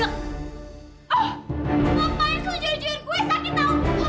oh ngapain suju jujuin gue sakit tau